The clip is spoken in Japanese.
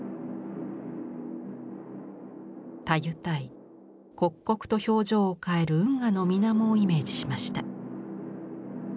たゆたい刻々と表情を変える運河の水面をイメージしました。